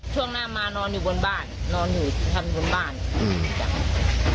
ช่วงหน้ามานอนอยู่บนบ้านนอนอยู่ทำบนบ้านอืมจ้ะ